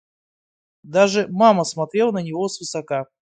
Даже мама смотрела на него свысока.